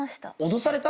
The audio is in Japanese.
脅された？